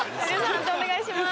判定お願いします。